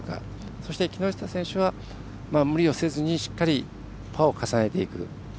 そして木下選手は無理をせずにしっかり、パーを重ねていく。